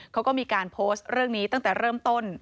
เขาก็มีการโพสต์เรื่องนี้ตั้งแต่เริ่มต้น